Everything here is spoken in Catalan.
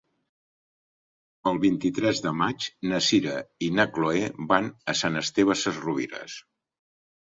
El vint-i-tres de maig na Sira i na Chloé van a Sant Esteve Sesrovires.